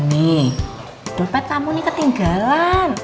nih dompet kamu ini ketinggalan